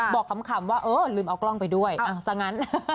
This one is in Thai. บอกคำว่าเออลืมเอากล้องไปด้วยซะงั้น